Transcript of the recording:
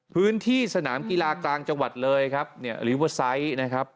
พื้นที่สนามกีฬากลางจังหวัดเลยครับเนี่ยลิเวอร์ไซต์นะครับ